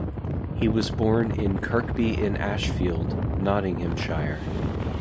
He was born in Kirkby-in-Ashfield, Nottinghamshire.